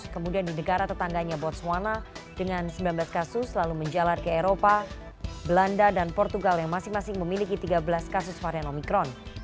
kemudian di negara tetangganya botswana dengan sembilan belas kasus lalu menjalar ke eropa belanda dan portugal yang masing masing memiliki tiga belas kasus varian omikron